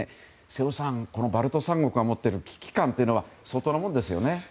瀬尾さん、このバルト三国が持っている危機感というのは相当なもんですよね。